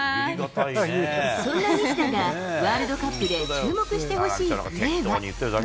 そんな西田が、ワールドカップで注目してほしいプレーは。